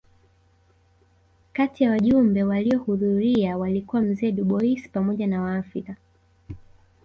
Kati ya wajumbe waliohudhuria walikuwa mzee Dubois pamoja na Waafrika